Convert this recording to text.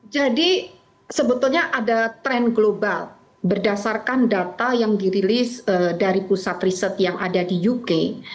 sebetulnya ada tren global berdasarkan data yang dirilis dari pusat riset yang ada di uk